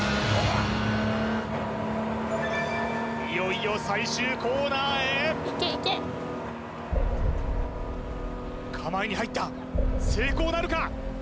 いよいよ最終コーナーへ構えに入った成功なるか？